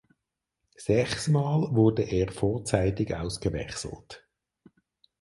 Sechsmal wurde er vorzeitig ausgewechselt.